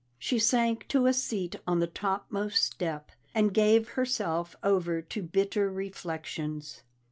She sank to a seat on the topmost step and gave herself over to bitter reflections.